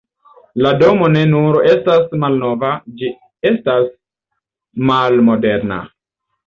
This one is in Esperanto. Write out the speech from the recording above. La domo ne nur estas malnova, ĝi estas malmoderna.